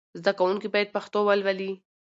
زدهکوونکي باید پښتو ولولي.